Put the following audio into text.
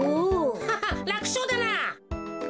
ハハッらくしょうだな。